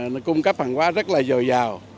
nó cung cấp hàng hóa rất là dồi dào